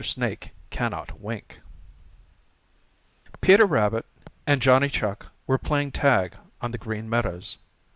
SNAKE CANNOT WINK Peter Rabbit and Johnny Chuck were playing tag on the Green Meadows.